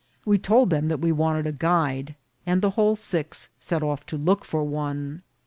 We told them that we wanted a guide, and the whole six set off to look for one.